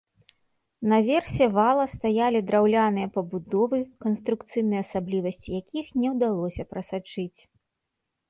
Наверсе вала стаялі драўляныя пабудовы, канструкцыйныя асаблівасці якіх не ўдалося прасачыць.